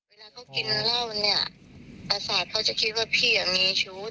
เวลาเขากินเหล้าเนี่ยประสาทเขาจะคิดว่าพี่มีชู้